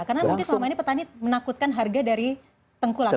karena mungkin selama ini petani menakutkan harga dari tengkulak